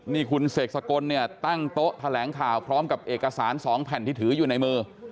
นี่คุณเสกสกลเนี่ยตั้งโต๊ะแถลงข่าวพร้อมกับเอกสาร๒แผ่นที่ถืออยู่ในมือ